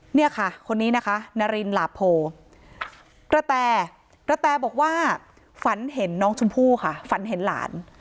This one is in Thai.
เนี่ยค่ะคนนี้นะคะนารินหลาโพกระแตกระแตบอกว่าฝันเห็นน้องชมพู่ค่ะฝันเห็นหลาน